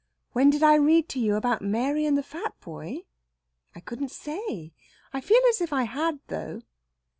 When did I read to you about Mary and the fat boy? I couldn't say. I feel as if I had, though."